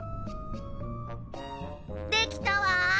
できたわ！